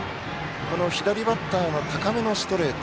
左バッターの高めのストレート。